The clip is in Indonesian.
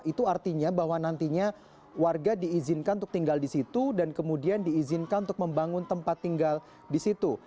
itu artinya bahwa nantinya warga diizinkan untuk tinggal di situ dan kemudian diizinkan untuk membangun tempat tinggal di situ